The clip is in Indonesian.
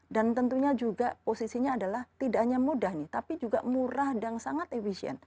dan tentunya juga posisinya adalah tidak hanya mudah nih tapi juga murah dan sangat efisien